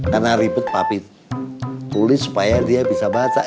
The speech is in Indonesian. karena ribet papi tulis supaya dia bisa baca